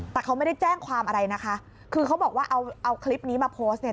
แต่เขาไม่ได้แจ้งความอะไรนะคะคือเขาบอกว่าเอาเอาคลิปนี้มาโพสต์เนี่ย